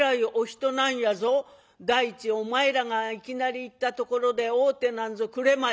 第一お前らがいきなり行ったところで会うてなんぞくれまい」。